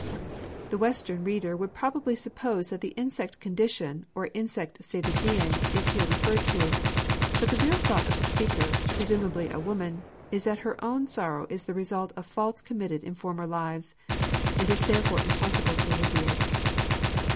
The Western reader would probably suppose that the insect condition, or insect state of being, is here referred to; but the real thought of the speaker, presumably a woman, is that her own sorrow is the result of faults committed in former lives, and is therefore impossible to alleviate.